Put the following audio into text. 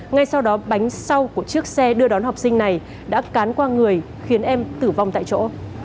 ngay sau đó bánh sau của chiếc xe đưa đón học sinh này đã cán qua người khiến em tử vong tại chỗ